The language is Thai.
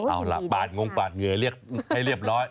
เอาล่ะปาดงงปาดเหงื่อเรียกให้เรียบร้อย